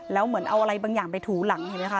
แล้วเหมือนเอาอะไรบางอย่างไปถูหลังเห็นไหมคะ